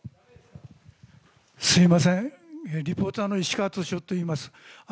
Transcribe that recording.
すみません、リポーターのいしかわとしおといいます。